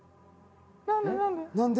何で？